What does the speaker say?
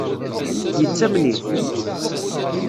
Yettamen-it?